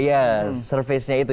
iya surface nya itu